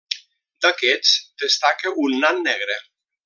D'aquests destaca un nan negre.